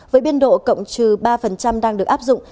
với biên độ cộng trừ ba đang được áp dụng